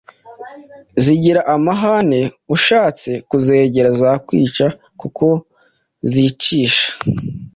zigira amahane. Ushatse kuzegera zakwica kuko zicisha